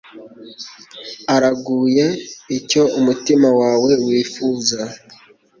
Araguhe icyo umutima wawe wifuza